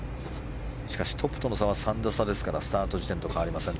しかしトップとの差は３打差ですからスタート時点と変わりません。